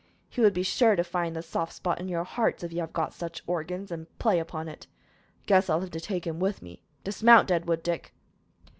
"He would be sure to find the soft spot in your hearts, if you have got such organs, and play upon it. I guess I will take him with me. Dismount, Deadwood Dick!"